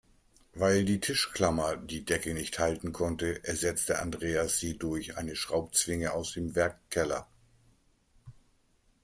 Weil die Tischklammer die Decke nicht halten konnte, ersetzte Andreas sie durch eine Schraubzwinge aus dem Werkkeller.